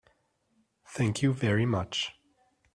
Thank you very much.